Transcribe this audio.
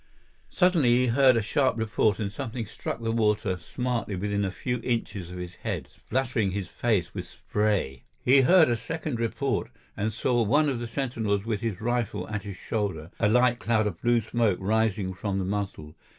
Suddenly he heard a sharp report and something struck the water smartly within a few inches of his head, spattering his face with spray. He heard a second report, and saw one of the sentinels with his rifle at his shoulder, a light cloud of blue smoke rising from the muzzle.